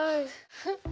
フッ。